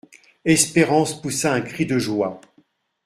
Espérance poussa un cri de joie.